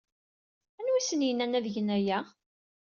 Anwa ay asen-yennan ad gen aya?